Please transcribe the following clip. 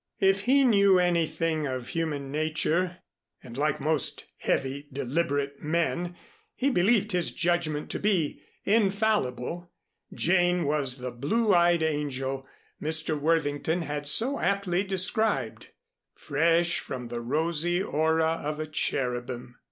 If he knew anything of human nature and like most heavy deliberate men, he believed his judgment to be infallible, Jane was the blue eyed angel Mr. Worthington had so aptly described, "fresh from the rosy aura of a cherubim."